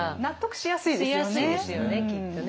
しやすいですよねきっとね。